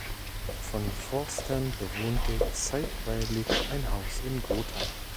Von Forstern bewohnte zeitweilig ein Haus in Gotha.